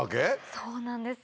そうなんですよ。